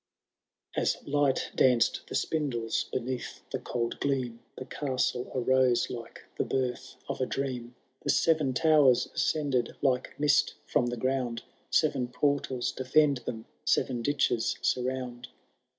As light danced the spindles beneath the cold gleam. The castle arose like the birth of a dream— Canio IV. habold the davntlxm. 167 The MTen towen ascended like mist from the gromid. Seven portals defend them, seven ditches surround.